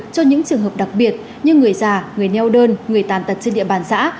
cho những trường hợp đặc biệt như người già người neo đơn người tàn tật trên địa bàn xã